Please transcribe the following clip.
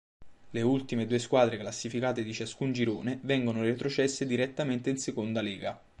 Le ultime due squadre classificate di ciascun girone vengono retrocesse direttamente in Seconda Lega.